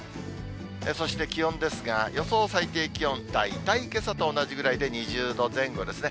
そして気温ですが、予想最低気温、大体けさと同じぐらいで２０度前後ですね。